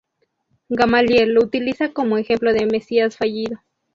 Gamaliel lo utiliza como ejemplo de mesías fallido.